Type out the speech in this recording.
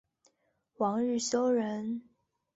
王日休人。